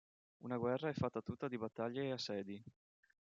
Una guerra è fatta tutta di battaglie e assedi.